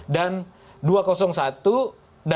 dan dua ratus satu dan dua ratus dua itu masalah juga